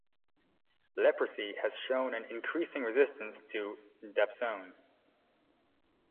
Leprosy has shown an increasing resistance to dapsone.